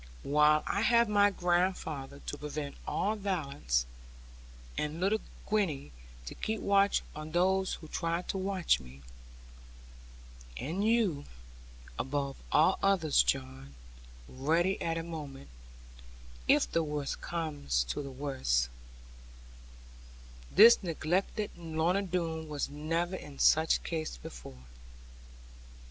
While I have my grandfather to prevent all violence; and little Gwenny to keep watch on those who try to watch me; and you, above all others, John, ready at a moment, if the worst comes to the worst this neglected Lorna Doone was never in such case before.